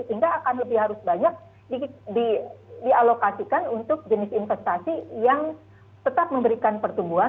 sehingga akan lebih harus banyak dialokasikan untuk jenis investasi yang tetap memberikan pertumbuhan